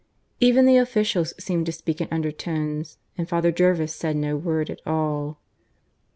Even the officials seemed to speak in undertones; and Father Jervis said no word at all.